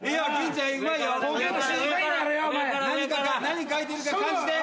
何書いてるか感じて。